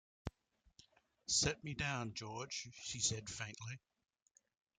“Set me down, George,” she said faintly.